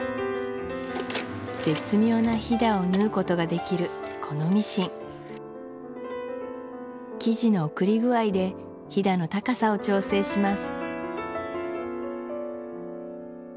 絶妙なひだを縫うことができるこのミシン生地のおくり具合でひだの高さを調整します